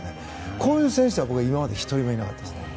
こういう選手は今までいなかったですね。